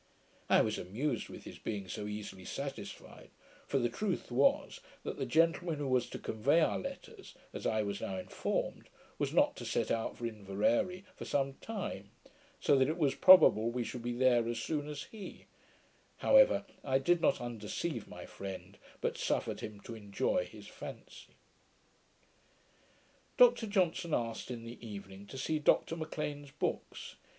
I was amused with his being so easily satisfied; for the truth was, that the gentleman who was to convey our letters, as I was now informed, was not to set out for Inveraray for some time; so that it was probable we should be there as soon as he: however, I did not undeceive my friend, but suffered him to enjoy his fancy. Dr Johnson asked, in the evening, to see Dr M'Lean's books.